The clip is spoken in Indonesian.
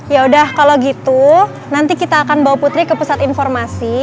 ya udah kalau gitu nanti kita akan bawa putri ke pusat informasi